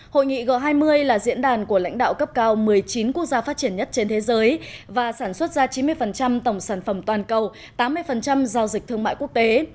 hội nghị g hai mươi là diễn đàn của lãnh đạo cấp cao một mươi chín quốc gia phát triển nhất trên thế giới và sản xuất ra chín mươi tổng sản phẩm toàn cầu tám mươi giao dịch thương mại quốc tế